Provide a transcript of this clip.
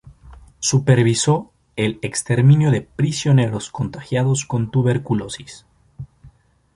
Supervisó el exterminio de prisioneros contagiados con tuberculosis.